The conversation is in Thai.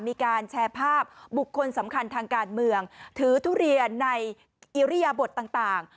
มีการแชร์ภาพบุคคลสำคัญทางการเมืองถือทุเรียนในอิริยบทต่าง